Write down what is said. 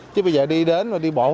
chứ bây giờ đi đến và đi bộ